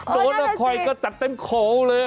โดนแล้วค่อยก็จัดเต็มของเลย